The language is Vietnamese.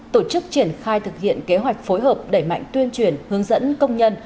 tổ chức triển khai thực hiện kế hoạch phối hợp đẩy mạnh tuyên truyền hướng dẫn công nhân